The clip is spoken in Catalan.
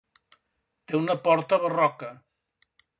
Té una porta barroca.